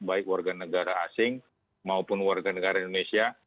baik warga negara asing maupun warga negara indonesia